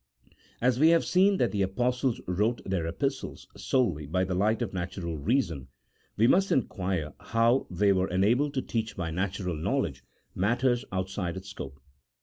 As we have seen that the Apostles wrote their Epistles solely by the light of natural reason, we must inquire how they were enabled to teach by natural knowledge matters outside its scope.